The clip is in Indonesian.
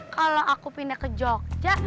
kalau aku pindah ke jogja